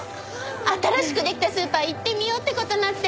新しく出来たスーパー行ってみようって事になって。